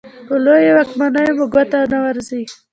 په لویو واکمنو مو ګوته نه ورځي.